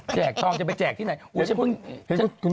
จะไปแจกที่ไหน